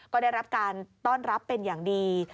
ก็ได้รับการต้อนรับเป็นอย่างดี